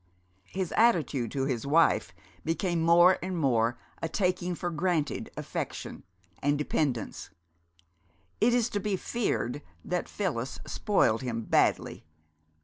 His attitude to his wife became more and more a taking for granted affection and dependence. It is to be feared that Phyllis spoiled him badly.